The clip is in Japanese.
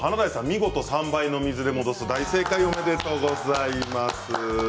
見事、３倍の水で戻す大正解でございます。